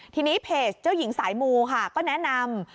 ทีนี้เพจเจ้าหญิงสายมูค่ะก็แนะนำ